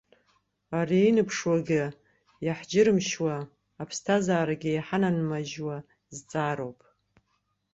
Ари, инаԥшуагьы иаҳџьырымшьо, аԥсҭазаарагьы иҳананамыжьуа зҵаароуп.